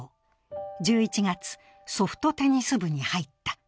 １１月、ソフトテニス部に入った。